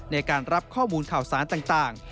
ในการรับข้อมูลข่าวสารต่าง